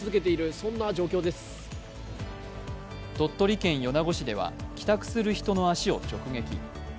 鳥取県米子市では帰宅する人の足を直撃。